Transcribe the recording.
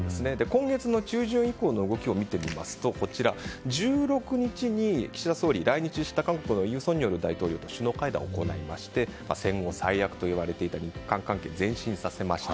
今月中旬以降の動きを見てみますと１６日に岸田総理来日した韓国の尹錫悦大統領と首脳会談を行いまして戦後最悪といわれていた日韓関係を前進させました。